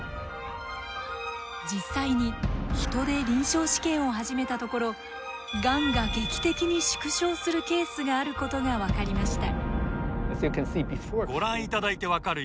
実際に人で臨床試験を始めたところがんが劇的に縮小するケースがあることが分かりました。